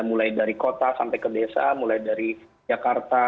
mulai dari kota sampai ke desa mulai dari jakarta